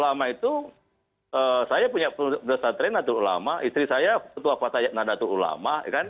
saya yakin saya punya penulisan tren datul ulama istri saya ketua fatah nadatul ulama